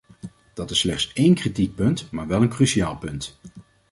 Dat is slechts één kritiekpunt, maar wel een cruciaal punt.